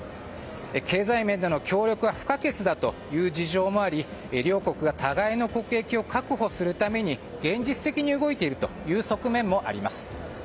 経済面での協力は不可欠だという事情もあり両国が互いの国益を確保するために現実的に動いている側面もあります。